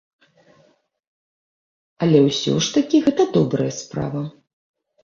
Але ўсё ж такі гэта добрая справа.